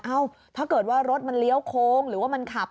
ถ้าเกิดว่ารถมันเลี้ยวโค้งหรือว่ามันขับ